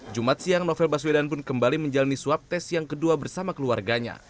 jumat siang novel baswedan pun kembali menjalani swab tes yang kedua bersama keluarganya